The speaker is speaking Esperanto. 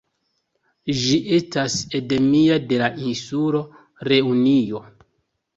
Ĝi estas endemia de la insulo Reunio.